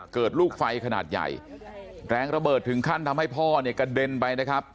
เกิดลูกไฟขนาดใหญ่แรงระเบิดถึงขั้นทำให้พ่อเนี่ยกระเด็นไปนะครับ